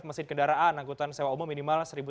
mesin kendaraan angkutan sewa umum minimal